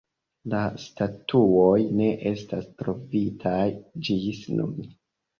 La statuoj ne estas trovitaj ĝis nun.